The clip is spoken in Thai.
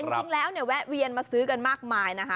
จริงแล้วเนี่ยแวะเวียนมาซื้อกันมากมายนะคะ